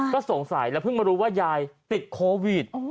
ก็สงสัยแล้วเพิ่งมารู้ว่ายายติดโควิด